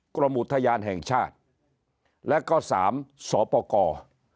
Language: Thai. กรมอุทยานแห่งชาติและก็๓สปกร